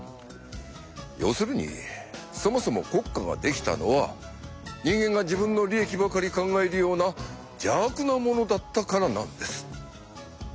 要するにそもそも国家ができたのは人間が自分の利益ばかり考えるような邪悪なものだったからなんです。